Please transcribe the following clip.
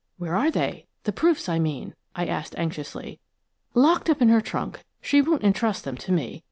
"Where are they–the proofs, I mean?" I asked anxiously. "Locked up in her trunk–she won't entrust them to me.